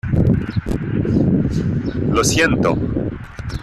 lo siento.